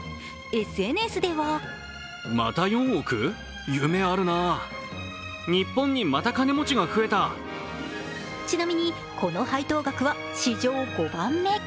ＳＮＳではちなみに、この配当額は史上５番目。